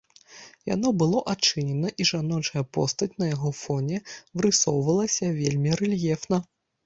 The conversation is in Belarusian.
Яно было адчынена, і жаночая постаць на яго фоне вырысоўвалася вельмі рэльефна.